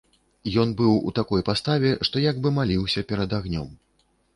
Ён быў у такой паставе, што як бы маліўся перад агнём.